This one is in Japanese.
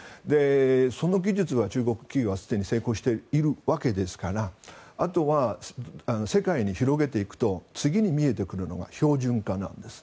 その技術が中国企業はすでに成功しているわけですからあとは世界に広げていくと次に見えてくるのが標準化なんです。